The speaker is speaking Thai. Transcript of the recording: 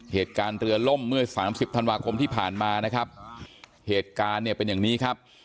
เหตุการณ์เรือล่มเมื่อสามสิบธันวาคมที่ผ่านมานะครับเหตุการณ์เนี่ยเป็นอย่างนี้ครับ